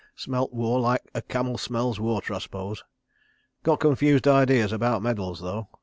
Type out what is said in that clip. Smelt war like a camel smells water, I suppose. ... Got confused ideas about medals though. ...